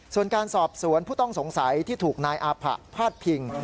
ส่วนการสอบสวนผู้ต้องสงสัยที่ถูกนายอาผะพาดพิง